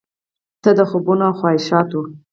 ته د خوبونو او خواهشاتو،